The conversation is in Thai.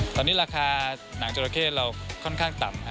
ตอนนี้ราคาหนังจราเข้เราค่อนข้างต่ำ